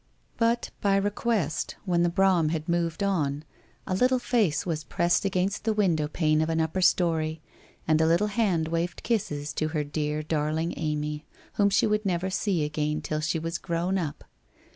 But, by request, when the brougham had moved on, a little face was pressed against the window pane of an upper story, and a little hand waved kisses to her dear, darling Amy, whom she would never see again till she was grown up.